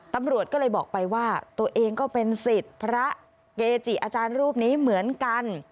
ตำรวจก็เลยบอกไปว่าตัวเองก็เป็นสิทธิ์พระเกจิอาจารย์รูปนี้เหมือนกัน